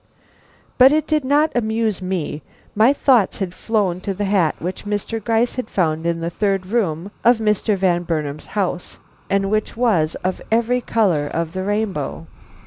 But it did not amuse me; my thoughts had flown to the hat which Mr. Gryce had found in the third room of Mr. Van Burnam's house, and which was of every color of the rainbow.